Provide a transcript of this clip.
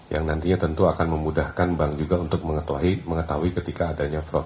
yang nantinya tentu akan memudahkan bank juga untuk mengetahui ketika adanya fraud